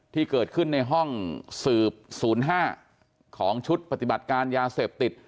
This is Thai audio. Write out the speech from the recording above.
ที่เกิดขึ้นในห้องสืบ๐๕ของชุดปฏิบัติการยาเสพติด